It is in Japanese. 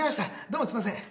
どうもすいません。